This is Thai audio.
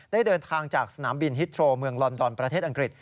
ได้เดินทางจากสนามบินฮิตโทรเมืองลอนดอนประเทศอังกฤษ